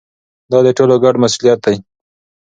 دا د ټولو ګډ مسؤلیت دی.